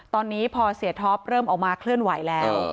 ตอนนี้พอเสียท็อปเริ่มออกมาเคลื่อนไหวแล้ว